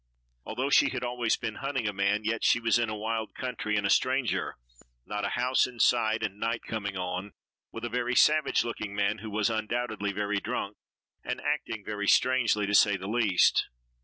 Although she had always been hunting a man, yet she was in a wild country and a stranger; not a house in sight and night coming on, was with a savage looking man, who was, undoubtedly, very drunk, and acting very strangely to say the least.